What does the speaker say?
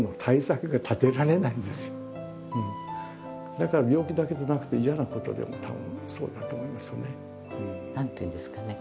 だからだから病気だけじゃなくて嫌なことでもたぶんそうだと思いますね。